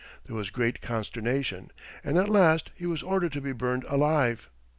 There was great consternation, and at last he was ordered to be burned alive.